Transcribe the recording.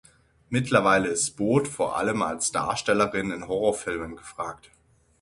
Mittlerweile ist Booth vor allem als Darstellerin in Horrorfilmen gefragt.